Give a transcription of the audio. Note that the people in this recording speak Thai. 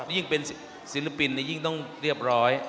ยิ่งเป็นศิลปินยิ่งต้องเรียบร้อย